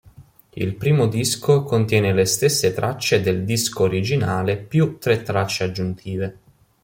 Il primo disco contiene le stesse tracce del disco originale più tre tracce aggiuntive